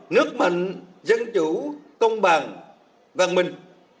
nước mạnh dân chủ công bằng văn minh